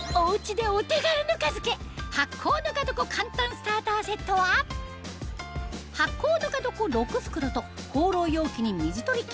発酵ぬかどこ簡単スターターセットは発酵ぬかどこ６袋とホーロー容器に水取り器